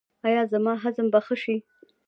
ایا زما هضم به ښه شي؟